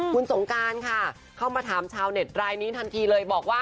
คุณสงการค่ะเข้ามาถามชาวเน็ตรายนี้ทันทีเลยบอกว่า